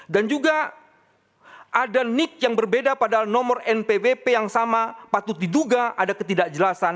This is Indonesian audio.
dan juga ada nick yang berbeda padahal nomor npwp yang sama patut diduga ada ketidakjelasan